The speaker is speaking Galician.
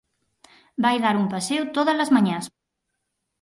Vai dar un paseo todas as mañás.